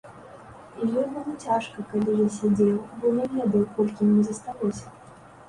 І ёй было цяжка, калі я сядзеў, бо не ведаў, колькі мне засталося.